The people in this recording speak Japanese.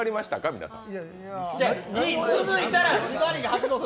皆さん。